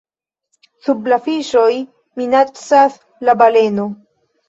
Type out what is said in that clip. Sub la Fiŝoj, minacas la Baleno.